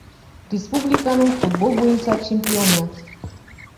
Республиканың футбол буйынса чемпионы